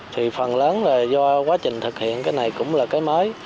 thì phần lớn là do quá trình thực hiện cái này cũng là cái mới